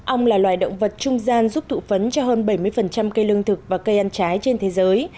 ong là loài động vật trung gian giúp thụ phấn cho hơn bảy mươi cây lương thực và cây ăn trái trên thế giới